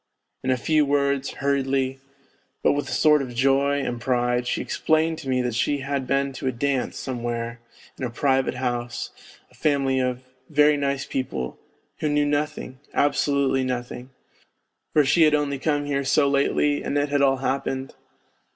In a few words, hurriedly, but with a sort of joy and pride, she explained to me that she had been to a dance somewhere in a private house, a family of " very nice people, wlio knew nothing, absolutely nothing, for she had only come here so lately and it had all happened